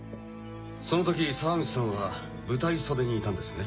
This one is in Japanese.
その時沢口さんは舞台袖にいたんですね？